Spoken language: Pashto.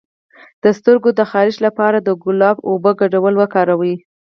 د سترګو د خارښ لپاره د ګلاب او اوبو ګډول وکاروئ